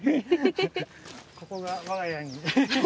ここが我が家に。